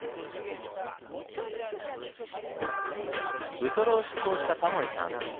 ウトロを出港したタモリさん。